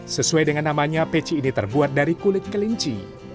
sesuai dengan namanya peci ini terbuat dari kulit kelinci